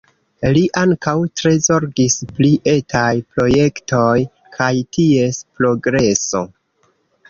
Li ankaŭ tre zorgis pri etaj projektoj kaj ties progreso.